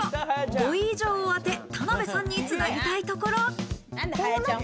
５位以上を当て、田辺さんにつなぎたいところ。